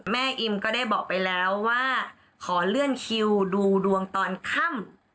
อิมก็ได้บอกไปแล้วว่าขอเลื่อนคิวดูดวงตอนค่ำ